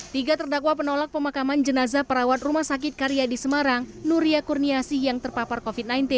tiga terdakwa penolak pemakaman jenazah perawat rumah sakit karya di semarang nuria kurniasih yang terpapar covid sembilan belas